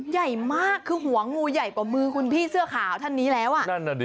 ใหญ่มากคือหัวงูใหญ่กว่ามือคุณพี่เสื้อขาวท่านนี้แล้วอ่ะนั่นน่ะดิ